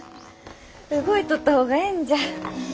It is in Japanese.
動いとった方がえんじゃ。